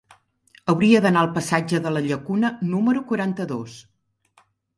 Hauria d'anar al passatge de la Llacuna número quaranta-dos.